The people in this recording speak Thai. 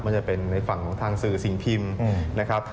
มันจะเป็นในฝั่งของทางสื่อสิ่งพิมพ์นะครับ